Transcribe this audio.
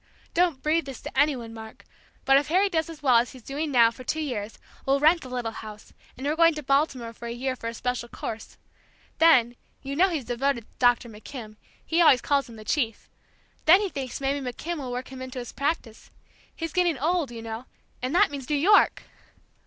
Don't breathe this to any one, Mark, but if Harry does as well as he's doing now for two years, we'll rent the little house, and we're going to Baltimore for a year for a special course. Then you know he's devoted to Dr. McKim, he always calls him 'the chief,' then he thinks maybe McKim will work him into his practice, he's getting old, you know, and that means New York!"